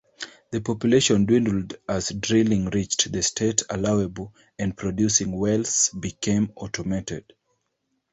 The population dwindled as drilling reached the state allowable and producing wells became automated.